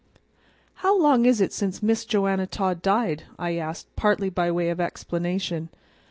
"How long is it since Miss Joanna Todd died?" I asked, partly by way of explanation.